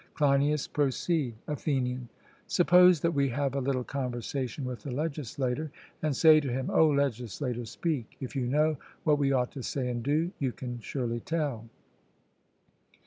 CLEINIAS: Proceed. ATHENIAN: Suppose that we have a little conversation with the legislator, and say to him 'O, legislator, speak; if you know what we ought to say and do, you can surely tell.'